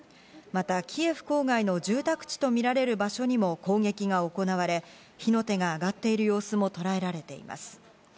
またキエフ郊外の住宅地と見られる場所にも攻撃が行われ、火の手が上がっている様子もとらえられています。